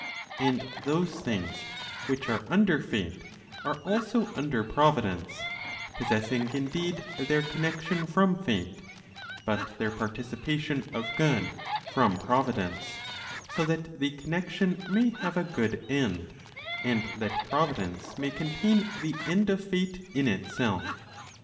And those things which are under Fate, are also under Providence, possessing indeed, their connexion from Fate, but their participation of good from Providence, so that the connexion may have a good end, and that Providence may contain the end of Fate in itself.